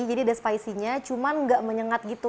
jadi ada spiciness cuman gak menyengat gitu